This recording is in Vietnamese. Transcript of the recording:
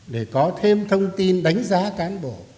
để có thêm thông tin đánh giá cán bộ